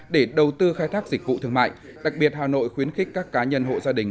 để đầu tư khai thác dịch vụ thương mại đặc biệt hà nội khuyến khích các cá nhân hộ gia đình